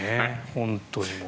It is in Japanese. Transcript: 本当にもう。